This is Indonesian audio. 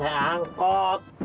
ini teh angkot